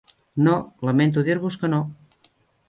No, lamento dir-vos que no.